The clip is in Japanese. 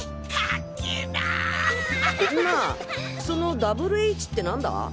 その「ダブルＨ」って何だ？